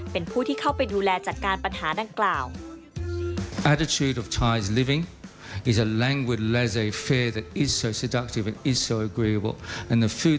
เป็นผู้ที่เข้าไปดูแลจัดการปัญหาดังกล่าว